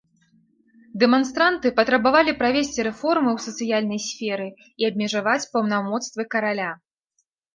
Дэманстранты патрабавалі правесці рэформы ў сацыяльнай сферы і абмежаваць паўнамоцтвы караля.